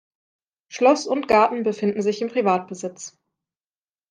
Schloss und Garten befinden sich im Privatbesitz.